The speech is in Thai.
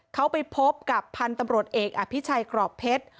เขาไปพบกับพันธุ์ตำรวจเอกอภิชัยกรอบเพชร